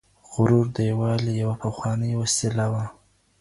غرور د یووالي یوه پخوانۍ وسیله وه.